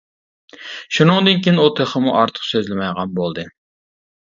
شۇنىڭدىن كېيىن ئۇ تېخىمۇ ئارتۇق سۆزلىمەيدىغان بولدى.